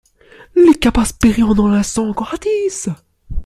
Lycabas périt en enlaçant encore Athis.